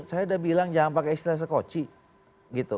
saya udah bilang jangan pakai istilah sekoci gitu